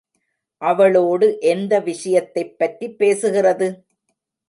அவளோடு எந்த விஷயத்தைப்பற்றிப் பேசுகிறது?